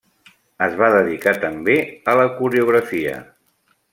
Es va dedicar també a la coreografia.